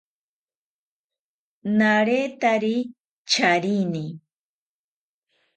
Naretari charini